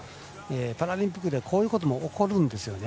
パラリンピックではこういうことも起こるんですよね。